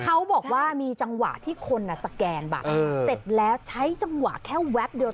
เขาบอกว่ามีจังหวะที่คนสแกนบัตรเสร็จแล้วใช้จังหวะแค่แวบเดียว